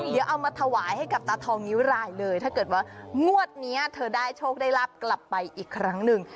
เดี๋ยวเอามาถวายให้กับตาทองนิ้วรายเลยถ้าเกิดว่างวดนี้เธอได้โชคได้รับกลับไปอีกครั้งหนึ่ง